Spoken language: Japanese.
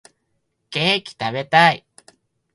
ケーキ食べたい